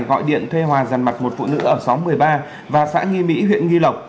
gọi điện thuê hòa dàn mặt một phụ nữ ở xóm một mươi ba và xã nghi mỹ huyện nghi lộc